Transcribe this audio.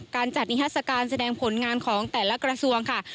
การจัดนิทัศกาลแสดงผลงานของแต่ละกระทรวงค่ะ